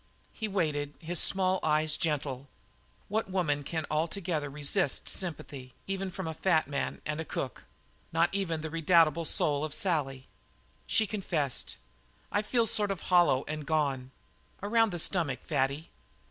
He waited, his small eyes gentle. What woman can altogether resist sympathy, even from a fat man and a cook? Not even the redoubtable soul of a Sally. She confessed: "I feel sort of hollow and gone around the stomach, Fatty."